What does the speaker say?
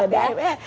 dia lompat ya